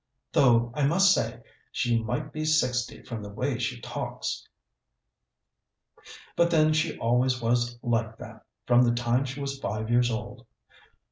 though, I must say, she might be sixty from the way she talks. But then she always was like that, from the time she was five years old.